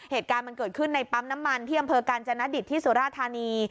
เหตุการณ์มันเกิดขึ้นในปั๊มน้ำมันที่อำเภอกาญจนดิตที่สุราธานี